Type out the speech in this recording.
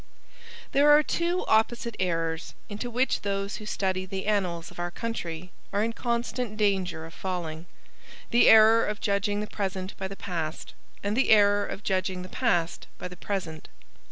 There are two opposite errors into which those who study the annals of our country are in constant danger of falling, the error of judging the present by the past, and the error of judging the past by the present.